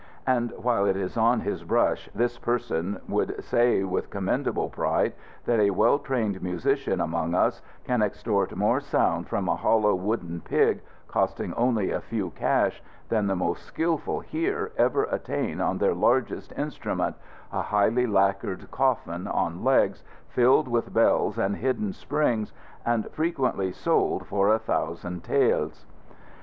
(And while it is on his brush this person would say with commendable pride that a well trained musician among us can extort more sound from a hollow wooden pig, costing only a few cash, than the most skilful here ever attain on their largest instrument a highly lacquered coffin on legs, filled with bells and hidden springs, and frequently sold for a thousand taels.)